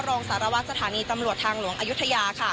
รองสารวัตรสถานีตำรวจทางหลวงอายุทยาค่ะ